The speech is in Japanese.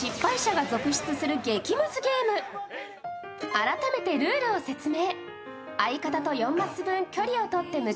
改めてルールを説明。